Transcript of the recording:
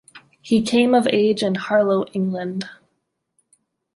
He came of age in Harlow, England.